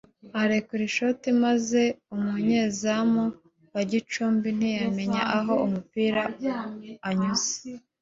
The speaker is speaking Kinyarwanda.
arekura ishoti maze umunyezamu wa Gicumbi ntiyamenya aho umupira anyuze